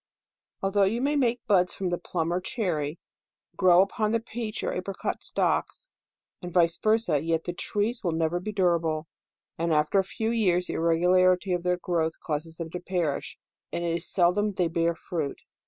Although you may make buds from the plum or cherry, grow upon the peach or apricot stocks, and vice versa, yet the trees will never be durable. After a few years the irregularity of their growth causes them to perish, and it is seldom they bear fruit.